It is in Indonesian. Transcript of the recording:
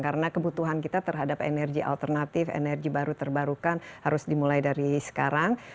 karena kebutuhan kita terhadap energi alternatif energi baru terbarukan harus dimulai dari sekarang